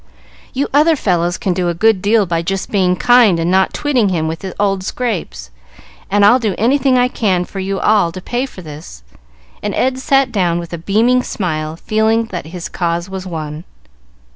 "You other fellows can do a good deal by just being kind and not twitting him with old scrapes, and I'll do anything I can for you all to pay for this;" and Ed sat down with a beaming smile, feeling that his cause was won.